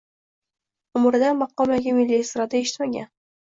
Umrida maqom yoki milliy estrada eshitmagan